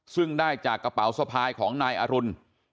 ซึ่งได้จากกระเป๋าสะพายของนายอรุณ